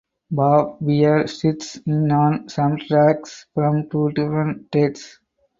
Bob Weir sits in on some tracks from two different dates.